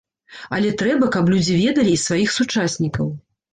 Але трэба, каб людзі ведалі і сваіх сучаснікаў.